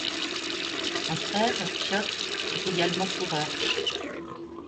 Son frère, Piotr est également coureur.